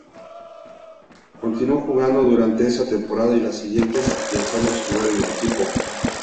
Continuó jugando durante esa temporada y las siguientes, afianzando su lugar en el equipo.